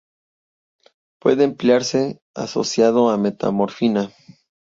Puede emplearse asociado a metformina.